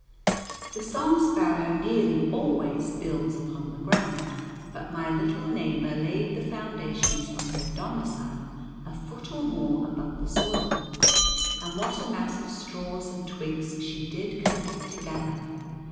The song sparrow nearly always builds upon the ground, but my little neighbor laid the foundations of her domicile a foot or more above the soil. And what a mass of straws and twigs she did collect together!